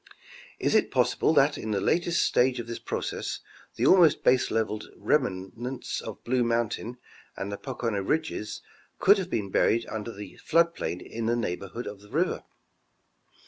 Is it possible that in the latest stage of this process, the almost baselevelled remnants of Blue mountain and the Pocono ridges could have been buried under the flood plain in the neighborhood of the river